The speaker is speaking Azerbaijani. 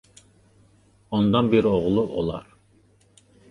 Ondan bir oğulu olar.